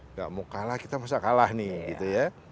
nggak mau kalah kita masa kalah nih gitu ya